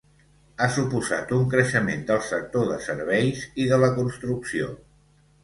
Ha suposat un creixement del sector de serveis i de la construcció.